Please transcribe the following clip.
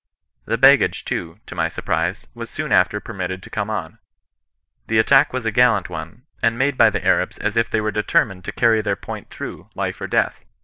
" The baggage, too, to my surprise, was soon after permitted to come on. The attack was a gallant one, and made by the Arabs as if they were determined to carry their point through life or death.